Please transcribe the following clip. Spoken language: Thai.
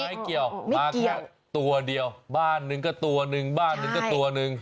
ไม่เกี่ยวมาแค่ตัวเดียวบ้านหนึ่งก็ตัวหนึ่งบ้านหนึ่งก็ตัวหนึ่ง